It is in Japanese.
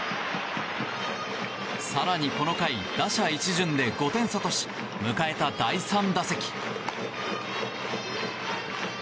更にこの回、打者一巡で５点差とし迎えた第３打席。